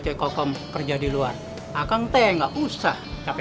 hingga hari kita tetap m happy